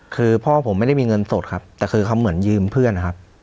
คือพ่อผมไม่ได้มีเงินสดครับแต่คือเขาเหมือนยืมเพื่อนนะครับ